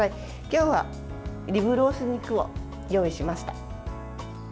今日はリブロース肉を用意しました。